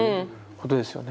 ことですよね。